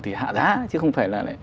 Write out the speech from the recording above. thì hạ giá chứ không phải là